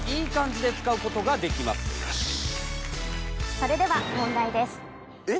それでは問題です。えっ？